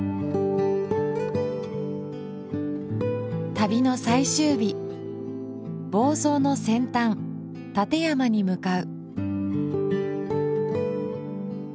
旅の最終日房総の先端館山に向かう。